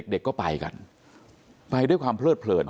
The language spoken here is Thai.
เด็กก็ไปกันไปด้วยความเพลิดเพลิน